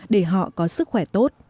để họ có sức khỏe tốt